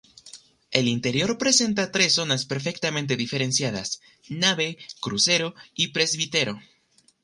El interior presenta tres zonas perfectamente diferenciadas: Nave, crucero y presbiterio.